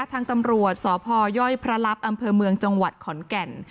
ทางตำรวจสศยพระรับอเมืองจังหวัดขอญแกน